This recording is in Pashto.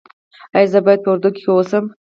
ایا زه باید په وردګو کې اوسم؟